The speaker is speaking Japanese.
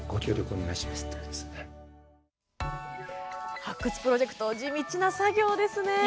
発掘プロジェクト地道な作業ですね。